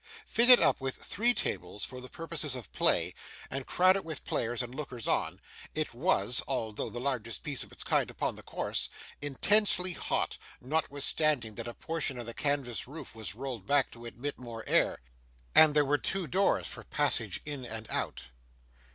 Fitted up with three tables for the purposes of play, and crowded with players and lookers on, it was, although the largest place of the kind upon the course, intensely hot, notwithstanding that a portion of the canvas roof was rolled back to admit more air, and there were two doors for a free passage in and out.